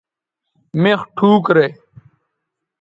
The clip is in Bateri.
مِخ ٹھوک رے